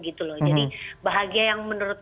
jadi bahagia yang menurut